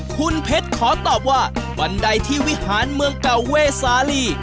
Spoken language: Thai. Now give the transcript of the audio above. คุณเพชรขอตอบว่าวันใดที่วิหารเมืองเก่าเวสาลี